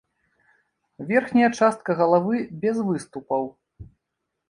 Верхняя частка галавы без выступаў.